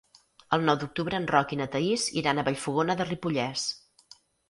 El nou d'octubre en Roc i na Thaís iran a Vallfogona de Ripollès.